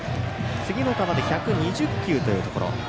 次の球で１２０球というところ。